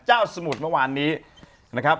สมุทรเมื่อวานนี้นะครับ